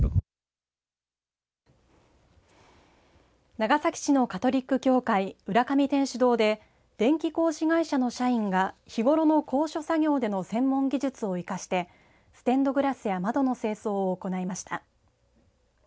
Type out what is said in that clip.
長崎市のカトリック教会浦上天主堂で電気工事会社の社員が日頃の高所作業での専門技術を生かしてステンドグラスや窓の清掃を行いました。